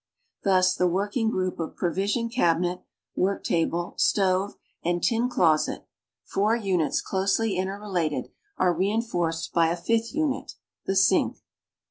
Thus the working group of provision cabinet, worktable, stove, and tin closet — four units closely inter related^are re enforced by a fifth unit, the siTik.